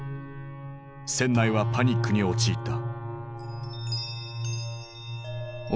船内はパニックに陥った。